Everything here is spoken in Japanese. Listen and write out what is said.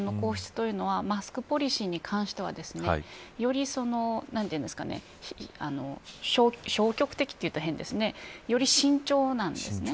実は政治家よりさらに日本の皇室というのはマスクポリシーに関してはより消極的というと変ですねより慎重なんですね。